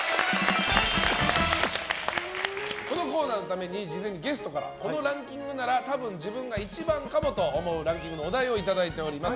このコーナーのために事前にゲストからこのランキングなら多分、自分が１番かもと思うランキングのお題をいただいております。